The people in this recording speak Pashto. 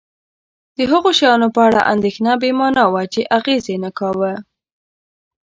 د هغو شیانو په اړه اندېښنه بې مانا وه چې اغېز یې نه کاوه.